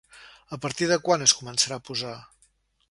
A partir de quan es començarà a posar?